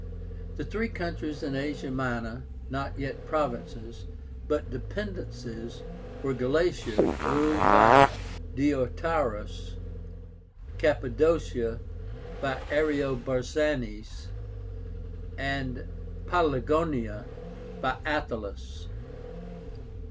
The three countries in Asia Minor not yet provinces, but dependencies, were Galatia, ruled by Deiotarus; Cappadocia, by Ariobarzánes; and Paphlagonia, by Attalus.